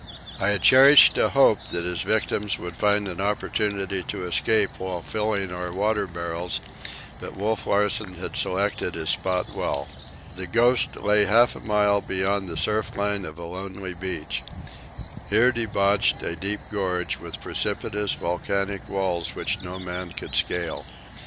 I had cherished a hope that his victims would find an opportunity to escape while filling our water barrels, but Wolf Larsen had selected his spot well. The Ghost lay half a mile beyond the surf line of a lonely beach. Here debouched a deep gorge, with precipitous, volcanic walls which no man could scale.